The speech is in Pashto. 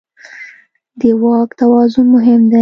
د واک توازن مهم دی.